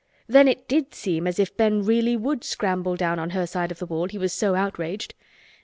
Then it did seem as if Ben really would scramble down on her side of the wall, he was so outraged.